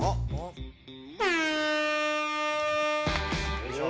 よいしょ！